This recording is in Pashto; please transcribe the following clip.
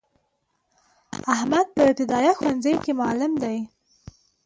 احمد په ابتدایه ښونځی کی معلم دی.